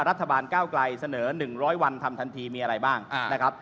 ก้าวไกลเสนอ๑๐๐วันทำทันทีมีอะไรบ้างนะครับ